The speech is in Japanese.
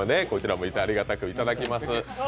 こちらもありがたくいただきます。